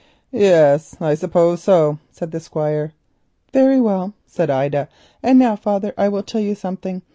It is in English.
"Yes, I suppose so," said the Squire. "Very well," said Ida. "And now, father, I will tell you something.